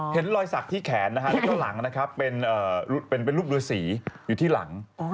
เห็นรอยสักที่แขนแล้วก็หลังเป็นรูปรัตสีอยู่ที่หลัง